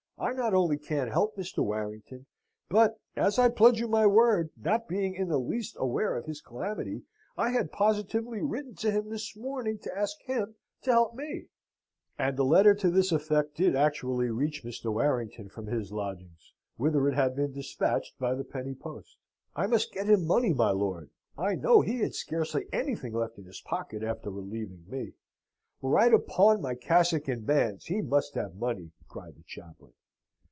I not only can't help Mr. Warrington, but, as I pledge you my word, not being in the least aware of his calamity, I had positively written to him this morning to ask him to help me." And a letter to this effect did actually reach Mr. Warrington from his lodgings, whither it had been despatched by the penny post. "I must get him money, my lord. I know he had scarcely anything left in his pocket after relieving me. Were I to pawn my cassock and bands, he must have money," cried the chaplain.